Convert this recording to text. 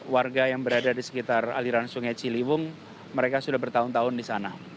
warga yang berada di sekitar aliran sungai ciliwung mereka sudah bertahun tahun di sana